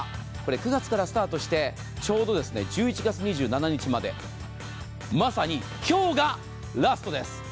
９月からスタートしてちょうど１１月２７日までまさに今日がラストです。